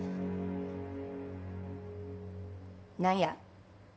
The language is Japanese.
何や。